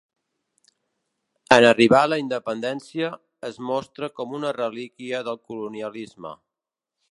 En arribar la independència, es mostra com una relíquia del colonialisme.